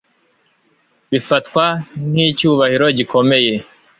Bifatwa nkicyubahiro gikomeye